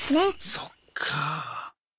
そっか。